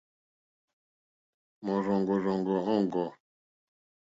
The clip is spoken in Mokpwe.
Mɔ̀rzɔ̀ŋɡɔ̀rzɔ̀ŋɡɔ̀ òŋɡô.